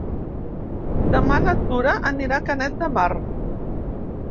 Demà na Tura anirà a Canet de Mar.